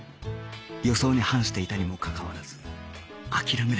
予想に反していたにもかかわらず諦めなかった